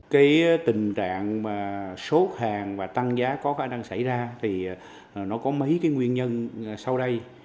cái tình trạng mà sốt hàng và tăng giá có khả năng xảy ra thì nó có mấy cái nguyên nhân sau đây